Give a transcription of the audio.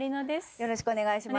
よろしくお願いします。